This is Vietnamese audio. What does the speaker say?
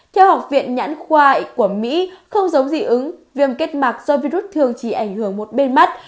theo học viện nhãn khoa của mỹ không giống dị ứng viêm kết mạc do virus thường chỉ ảnh hưởng một bên mắt